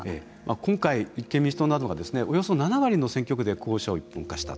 今回、立憲民主党などがおよそ７割の選挙区で候補者を一本化した。